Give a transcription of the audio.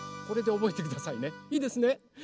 これでおぼえてくださいねいいですね。